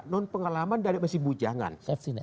non pengalaman dari mesin bujangan